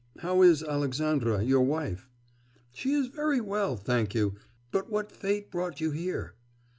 How is Alexandra your wife?' 'She is very well, thank you. But what fate brought you here?